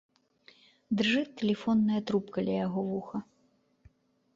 Дрыжыць тэлефонная трубка ля яго вуха.